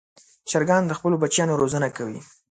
چرګان د خپلو بچیانو روزنه کوي.